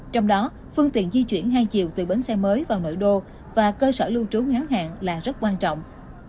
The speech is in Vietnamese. trong đó phương tiện di chuyển hai chiều từ bến xe mới vào nội đô và cơ sở lưu trú ngắn hạn là rất quan trọng